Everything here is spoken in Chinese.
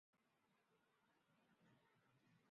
联合国人居署的总部皆设在内罗毕。